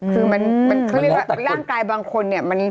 คือมันเขาเรียกว่าร่างกายบางคนเนี่ย